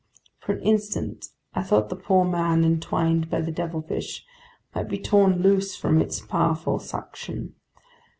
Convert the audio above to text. For an instant I thought the poor man entwined by the devilfish might be torn loose from its powerful suction.